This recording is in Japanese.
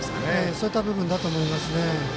そういった部分だと思います。